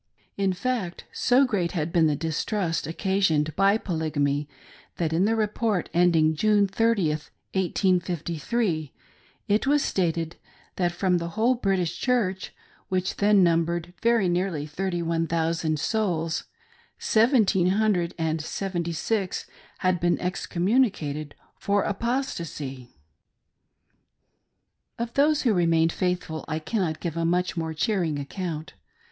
In fact, so great had been the distrust occasioned by Pblygamy, that in the report end ing June 30th, 1853, it was stated that from the whole British Church — which then numbered very nearly thirty one thous and souls — seventeen hundred and seventy six had been ex communicated for apostasy ! Of those who remained faithful I cannot give a mudh more cheering account.